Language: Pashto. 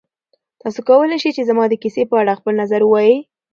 تاسو کولی شئ چې زما د کیسې په اړه خپل نظر ووایئ.